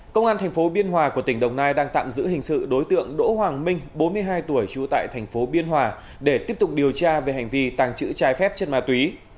công an thành phố biên hòa của tỉnh đồng nai đang tạm giữ hình sự đối tượng đỗ hoàng minh bốn mươi hai tuổi trú tại thành phố biên hòa để tiếp tục điều tra về hành vi tàng trữ trái phép chất ma túy